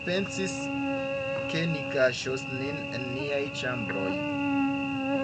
Ni pensis, ke ni kaŝos nin en niaj ĉambroj.